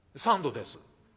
「三度です」。